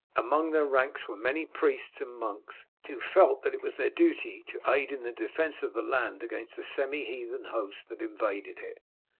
Among their ranks were many priests and monks, who felt that it was their duty to aid in the defence of the land against the semi heathen host that invaded it.